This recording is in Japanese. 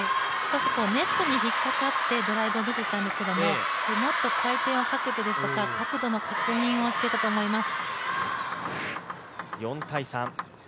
ネットに引っかかってドライブをしたんですけどもっと回転をかけてですとか角度の確認をしてだと思います。